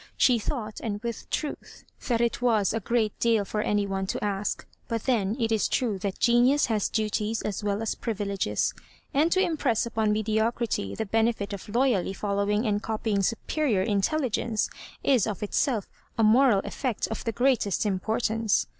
She thought, and with truth, that it wcu a great deal for any one to ask ; but then it is true that genius has duties as well as privileges ; and to impress upon mediocrity the benefit of loyally following and copying superior intelligence, is of itself a moral effect of the greatest importance.